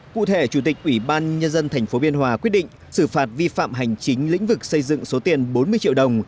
cụ thể chủ tịch ubnd tp biên hòa quyết định xử phạt vi phạm hành chính lĩnh vực xây dựng số tiền bốn mươi triệu đồng